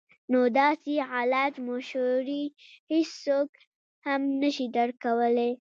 نو داسې د علاج مشورې هيڅوک هم نشي درکولے -